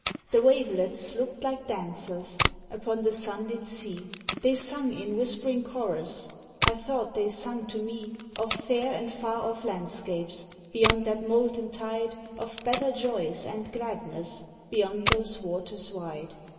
The wavelets looked liked dancers, Upon the sun lit sea, They sung in whispering chorus,— I thought they sung to me Of fair and far off landscapes Beyond that molten tide, Of better joys, and gladness Beyond those waters wide.